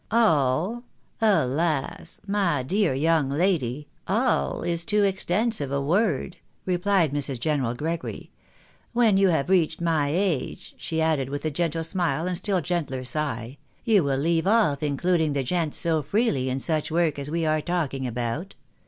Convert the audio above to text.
" All? alas ! my dear young lady, all is too extensive a word," replied Mrs. General Gregory ;" when you have reached my age,' she added with a gentle smile, and still gentler sigh, " you wiU leave off including the gents so freely in such work as we are talking about.